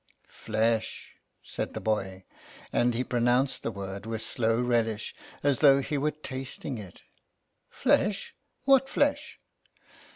" Flesh," said the boy, and he pronounced the word with slow relish, as though he were tasting it. "Flesh! What flesh?"